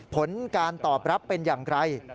ผลการตอบรับเป็นอย่างไร